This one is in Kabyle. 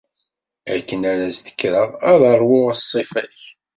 Akken ara d-kkreɣ, ad ṛwuɣ ṣṣifa-k.